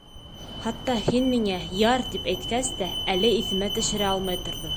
Хатта һин миңә «Яр» тип әйткәс тә әле иҫемә төшөрә алмай торҙом.